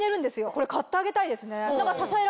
これ買ってあげたいですね。